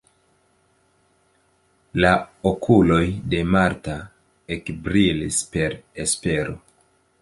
La okuloj de Marta ekbrilis per espero.